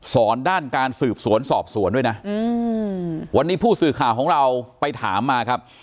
สอนด้านการสืบสวนสอบสวนด้วยนะวันนี้ผู้สื่อข่าวของเราไปถามมาครับ